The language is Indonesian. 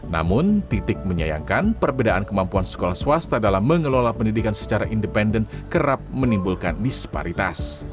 namun titik menyayangkan perbedaan kemampuan sekolah swasta dalam mengelola pendidikan secara independen kerap menimbulkan disparitas